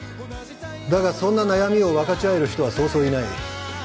だがそんな悩みを分かち合える人はそうそういない。